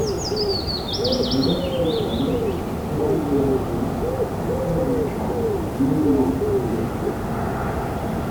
Elle relie Csepel, Királyerdő à Soroksár, Molnár-sziget.